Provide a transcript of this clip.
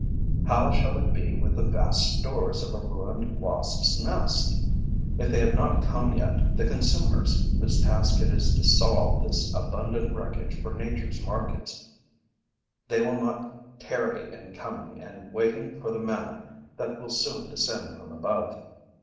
How shall it be with the vast stores of a ruined wasps' nest! If they have not come yet, the consumers whose task it is to salve this abundant wreckage for nature's markets, they will not tarry in coming and waiting for the manna that will soon descend from above.